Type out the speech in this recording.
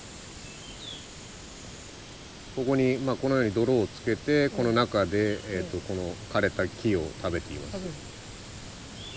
ここにこのように泥をつけてこの中で枯れた木を食べています。